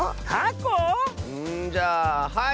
んじゃあはい！